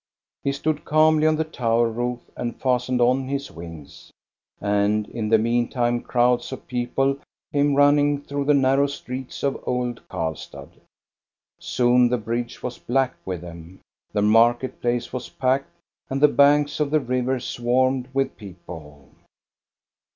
He stood calmly on the tower roof and fastened on his wings, and in the meantime crowds of people came running through the narrow streets of old Karlstad. Soon the bridge was black with them. The market place was packed, and the banks of the river swarmed with people.